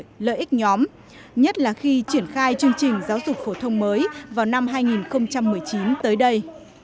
vì lợi ích nhóm nhất là khi triển khai chương trình giáo dục phổ thông mới vào năm hai nghìn một mươi chín tới đây